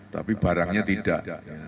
tapi barangnya tidak